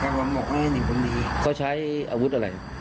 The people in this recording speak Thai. แฟนผมบอกให้หนีบนดีเขาใช้อาวุธอะไร